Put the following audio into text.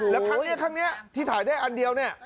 แล้วครั้งนี้ที่ถ่ายได้อันเดียวเนี่ย